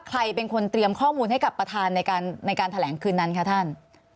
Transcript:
ใครเป็นคนเตรียมข้อมูลให้กับประธานในการแถลงคืนนั้นคะท่าน